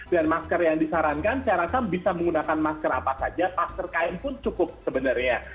dan masker yang disarankan saya rasa bisa menggunakan masker apa saja masker kain pun cukup sebenarnya